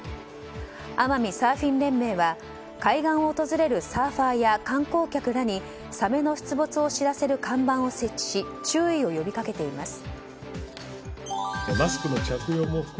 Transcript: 奄美サーフィン連盟は海岸を訪れるサーファーや観光客らにサメの出没を知らせる看板を設置し注意を呼びかけています。